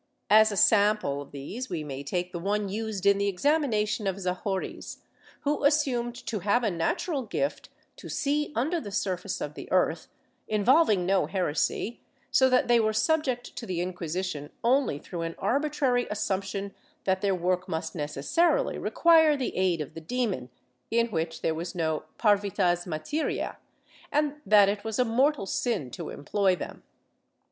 As a sample of these we may take the one used in the examination of Zahories, who assumed to have a natural gift to see under the surface of the earth, involving no heresy, so that they were subject to the Inquisition only through an arbitrary assumption that their work must necessarily require the aid of the demon, in which there was no parvitas matcrice, and that it was a mortal sin to employ them.